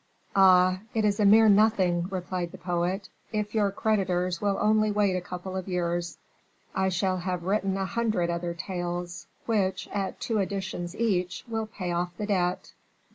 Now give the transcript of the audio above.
"Oh! it is a mere nothing," replied the poet; "if your creditors will only wait a couple of years, I shall have written a hundred other tales, which, at two editions each, will pay off the debt."